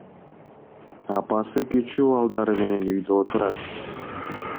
Апасы кичүү балдары менен үйдө отурат.